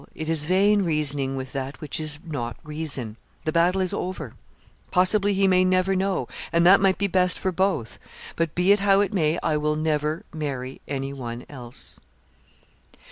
It is vain reasoning with that which is not reason; the battle is over; possibly he may never know, and that might be best for both but be it how it may, I will never marry anyone else.'